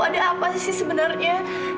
ada apa sih sebenarnya